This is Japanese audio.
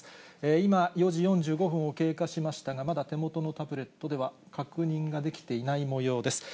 今、４時４５分を経過しましたが、まだ手元のタブレットでは確認ができていないもようです。